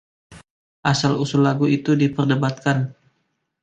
Asal usul lagu itu diperdebatkan.